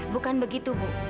bukan begitu bu